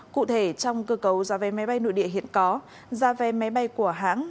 cụ thể trong cơ cấu giá vé máy bay nội địa hiện có giá vé máy bay của hãng